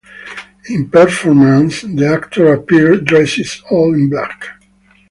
In performance, the actor appeared dressed all in black.